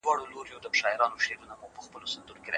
ستونزو ته سينه ورکړئ.